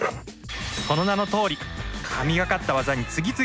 その名のとおり神がかった技に次々と挑戦。